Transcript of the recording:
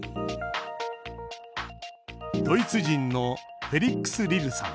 ドイツ人のフェリックス・リルさん。